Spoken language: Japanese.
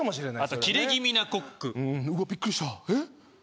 あとキレ気味なコックうわびっくりしたえっ？